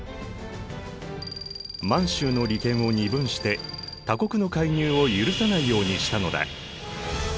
満洲の利権を二分して他国の介入を許さないようにしたのだ。